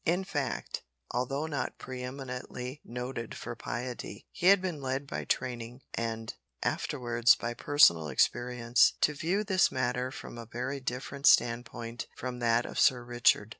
In fact, although not pre eminently noted for piety, he had been led by training, and afterwards by personal experience, to view this matter from a very different standpoint from that of Sir Richard.